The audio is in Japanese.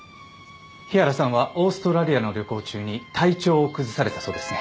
日原さんはオーストラリアの旅行中に体調を崩されたそうですね。